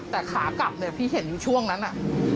แต่ขากลับพี่เห็นอยู่ช่วงนั้นน่ะ